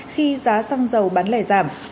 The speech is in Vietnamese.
khi giá xăng dầu bán lẻ giảm